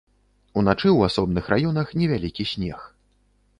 Уначы ў асобных раёнах невялікі снег.